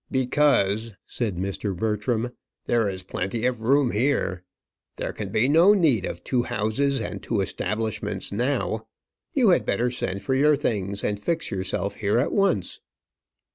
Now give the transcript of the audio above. "Because," said Mr. Bertram, "there is plenty of room here. There can be no need of two houses and two establishments now; you had better send for your things and fix yourself here at once."